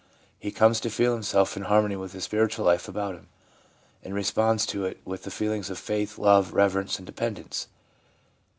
He comes to feel himself in harmony with the spiritual life about him, and responds to it with the feelings of faith, love, rever ence and dependence.